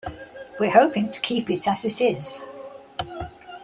We're hoping to keep it as it is.